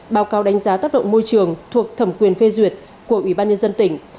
báo cáo đánh giá tác động môi trường thuộc thẩm quyền phê duyệt của ủy ban nhân dân tỉnh